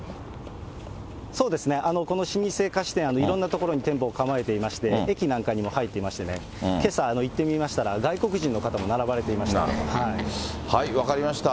そうですね、この老舗菓子店、いろんな所に店舗を構えていまして、駅なんかにも入っていましてね、けさ行ってみましたら、分かりました。